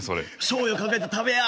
「しょうゆかけて食べや」